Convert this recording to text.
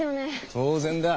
当然だ。